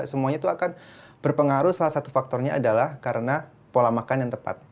semuanya itu akan berpengaruh salah satu faktornya adalah karena pola makan yang tepat